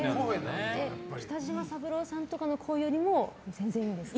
北島三郎さんとかの声よりも全然いいんですか？